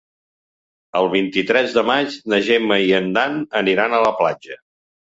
El vint-i-tres de maig na Gemma i en Dan aniran a la platja.